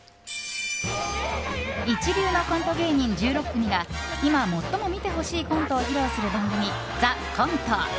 一流のコント芸人１６組が今、最も見てほしいコントを披露する番組「ＴＨＥＣＯＮＴＥ」。